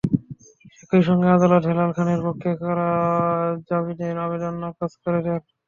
একই সঙ্গে আদালত হেলাল খানের পক্ষে করা জামিনের আবেদন নাকচ করে দেন।